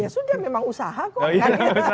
ya sudah memang usaha kok